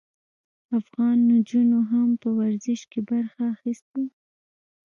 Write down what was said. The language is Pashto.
افغان نجونو هم په ورزش کې برخه اخیستې.